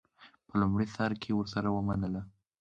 په لومړي سر کې ورسره ومنله.